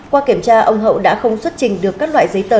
qua kiểm tra ông hậu đã không xuất trình được các loại giấy tờ